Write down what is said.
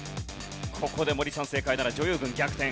ここで森さん正解なら女優軍逆転。